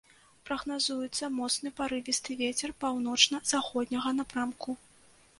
Прагназуецца моцны парывісты вецер паўночна-заходняга напрамку.